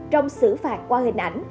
trong xử phạt qua hình ảnh